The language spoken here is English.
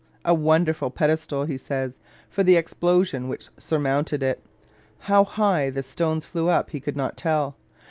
"A wonderful pedestal," he says, "for the explosion which surmounted it." How high the stones flew up he could not tell.